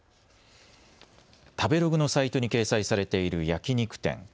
食べログのサイトに掲載されている焼き肉店。